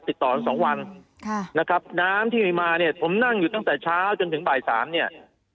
ติดต่อกันสองวันค่ะนะครับน้ำที่มีมาเนี่ยผมนั่งอยู่ตั้งแต่เช้าจนถึงบ่ายสามเนี่ย